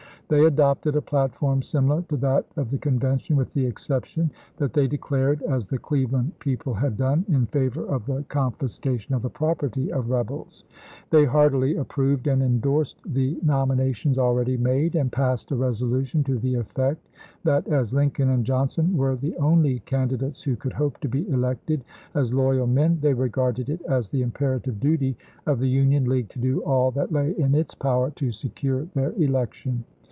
They adopted a platform similar to that of the Convention, with the excep tion that they declared, as the Cleveland people had done, in favor of the confiscation of the property of rebels. They heartily approved and indorsed the LINCOLN EENOMINATED 75 nominations already made, and passed a resolution chap, iil to the effect that as Lincoln and Johnson were the only candidates who conld hope to be elected as loyal men, they regarded it as the imperative duty of the Union League to do all that lay in its power to secure their election.